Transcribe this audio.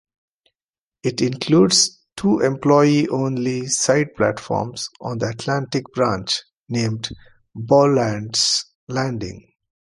It includes two employee-only side platforms on the Atlantic Branch named Boland's Landing.